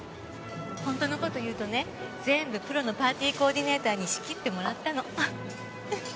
本当の事言うとね全部プロのパーティーコーディネーターに仕切ってもらったの。